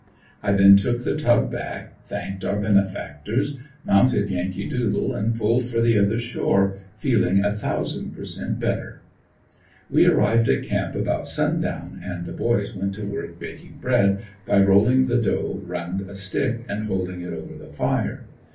I then took the tub back thanked our benefactors, mounted Yankee doodle and pulled for the other shore feeling a thousand per cent. better. We arrived at camp about sundown and the boys went to work baking bread by rolling the dough around a stick and holding it over the fire.